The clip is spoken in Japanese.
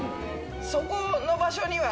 そこの場所には。